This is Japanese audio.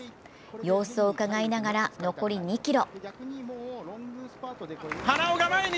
様子をうかがいながら残り２ｋｍ。